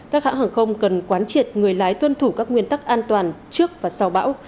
các hãng hàng không cần quán triệt người lái tuân thủ các nguyên tắc an toàn trước và sau bão